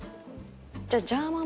じゃあジャーマン